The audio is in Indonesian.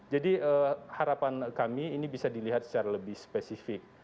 jadi harapan kami ini bisa dilihat secara lebih spesifik